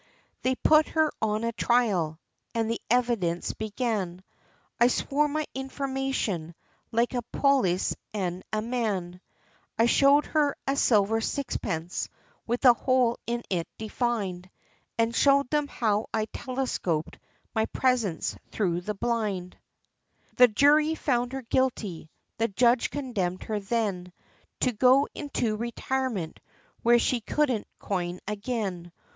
They put her on her trial, and the evidence began, I swore my information, like a polis and a man; I showed a silver sixpence, with a hole in it defined, And showed them how I telescoped my presence thro' the blind. The jury found her guilty, the judge condemned her then, To go into retirement, where she couldn't coin again.